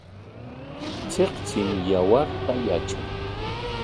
Tsiktsim yawarta yatran.